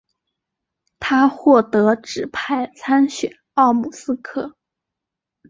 他获得指派参选奥姆斯克。